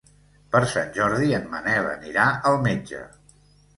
Per Sant Jordi en Manel anirà al metge.